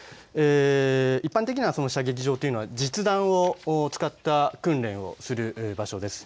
一般的には射撃場というのは実弾を使った訓練をする場所です。